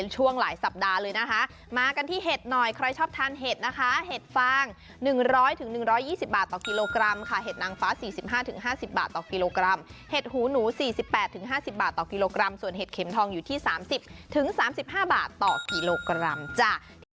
สองร้อยสี่สิบบาทต่อกิโลกรัมค่ะเห็ดนางฟ้าสี่สิบห้าถึงห้าสิบบาทต่อกิโลกรัมเห็ดหูหนูสี่สิบแปดถึงห้าสิบบาทต่อกิโลกรัมส่วนเห็ดเข็มทองอยู่ที่สามสิบถึงสามสิบห้าบาทต่อกิโลกรัมจ้ะ